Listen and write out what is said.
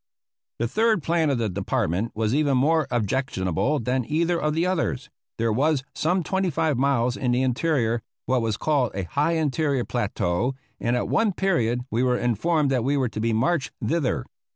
The third plan of the Department was even more objectionable than either of the others. There was, some twenty five miles in the interior, what was called a high interior plateau, and at one period we were informed that we were to be marched thither.